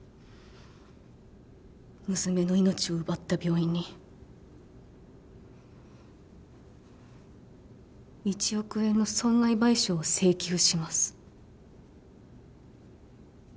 娘の命を奪った病院に１億円の損害賠償を請求します。